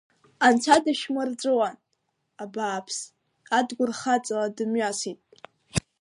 Анцәа дышәмырҵәуан, абааԥс, Адгәыр хаҵала дымҩасит.